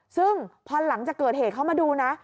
ซึ่งพอหลังจากเกิดเหตุเขามาดูนะ